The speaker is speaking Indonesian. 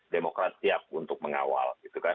demokrasi siap untuk mengawal